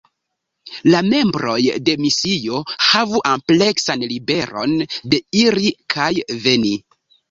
La membroj de misio havu ampleksan liberon de iri kaj veni.